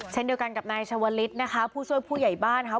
เช่นเดียวกันกับนายชาวลิศนะคะผู้ช่วยผู้ใหญ่บ้านค่ะ